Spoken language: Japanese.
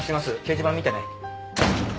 掲示板見てね。